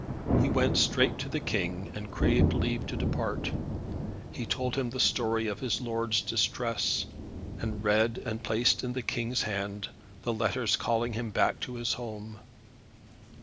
He went straight to the King, and craved leave to depart. He told him the story of his lord's distress, and read, and placed in the King's hands, the letters calling him back to his home.